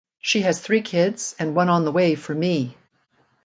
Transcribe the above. She has three kids and one on the way for me.